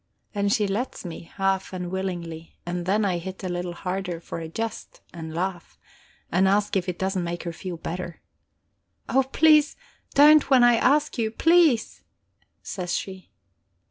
And she lets me, half unwillingly, and then I hit a little harder, for a jest, and laugh, and ask if that doesn't make her feel better. "Oh, please, don't when I ask you; please," says she.